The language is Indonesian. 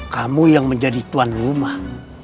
kamu yang menjadi tuan rumah